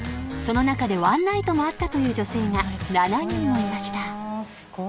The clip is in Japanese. ［その中でワンナイトもあったという女性が７人もいました］